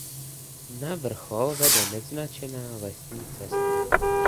Na vrchol vede neznačená lesní cesta.